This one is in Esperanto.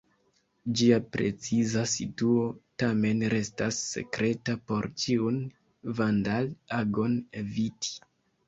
Ĝia preciza situo tamen restas sekreta por ĉiun vandal-agon eviti.